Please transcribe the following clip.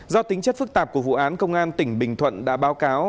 do tính chất phức tạp của vụ án công an tỉnh bình thuận đã báo cáo